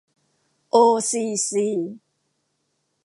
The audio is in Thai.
โอ ซี ซี